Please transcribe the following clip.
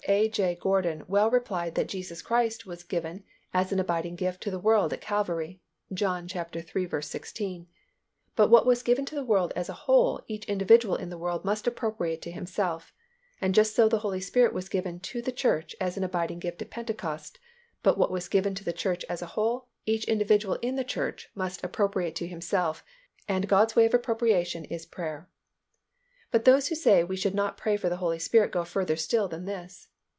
A. J. Gordon well replied that Jesus Christ was given as an abiding gift to the world at Calvary (John iii. 16), but what was given to the world as a whole each individual in the world must appropriate to himself; and just so the Holy Spirit was given to the church as an abiding gift at Pentecost, but what was given to the church as a whole each individual in the church must appropriate to himself, and God's way of appropriation is prayer. But those who say we should not pray for the Holy Spirit go further still than this.